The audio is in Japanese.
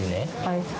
はい。